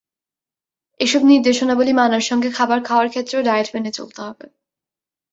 এসব নির্দেশাবলি মানার সঙ্গে খাবার খাওয়ার ক্ষেত্রেও ডায়েট মেনে চলতে হবে।